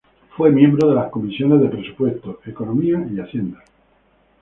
Fue miembro de las comisiones de Presupuestos, Economía y Hacienda.